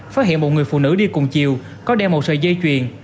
phát hiện một người phụ nữ đi cùng chiều có đeo một sợi dây chuyền